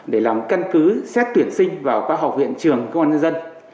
để làm căn cứ xét tuyển sinh vào các học viện trường công an nhân dân